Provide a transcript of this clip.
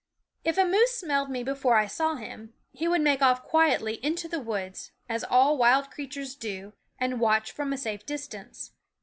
If a moose smelled me before I saw him, he would make off quietly into the woods, as all wild creatures do, and watch from a safe distance.